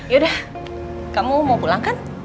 yaudah kamu mau pulang kan